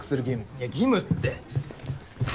いや義務って。